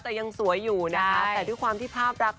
แต่ยังสวยอยู่นะคะแต่ด้วยความที่ภาพรัก